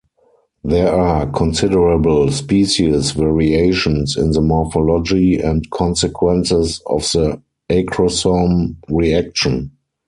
There are considerable species variations in the morphology and consequences of the acrosome reaction.